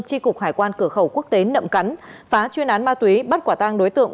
tri cục hải quan cửa khẩu quốc tế nậm cắn phá chuyên án ma túy bắt quả tang đối tượng